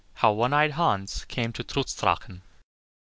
How One eyed Hans came to Trutz Drachen.